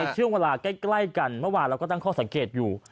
ช่วงเวลาใกล้กันเมื่อวานเราก็ตั้งข้อสังเกตอยู่